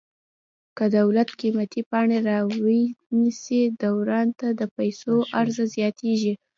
که دولت قیمتي پاڼې را ونیسي دوران ته د پیسو عرضه زیاتیږي.